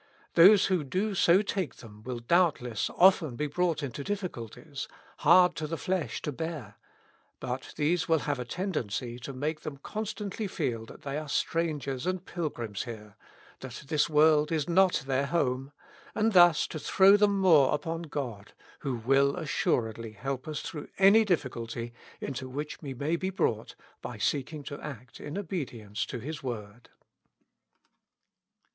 — Those who do so take them will doubtless often be brought into difficulties, hard to the flesh to bear, but these will have a tendency to make them constantly feel that they are strangers and pilgrims here, that this world is not their home, and thus to throw them more upon God, who will assuredly help us through any difficulty into which we may be brought by seeking to act in obedience to His word."